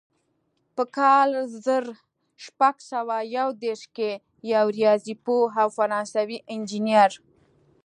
په کال زر شپږ سوه یو دېرش کې یو ریاضي پوه او فرانسوي انجینر.